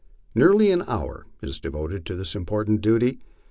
Nearly an hour is devoted to this important duty.